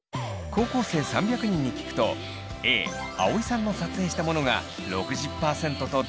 高校生３００人に聞くとＡ葵さんの撮影したものが６０％とダントツ！